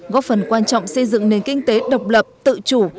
góp phần quan trọng xây dựng nền kinh tế độc lập tự chủ